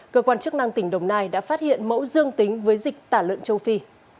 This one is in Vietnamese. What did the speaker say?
cơ quan chức năng tỉnh đồng nai đã phát hiện mẫu dương tính với dịch tả lợn châu phi